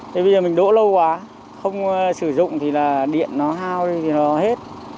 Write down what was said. thế bây giờ mình đỗ lâu quá không sử dụng thì là điện nó hao đi thì nó hết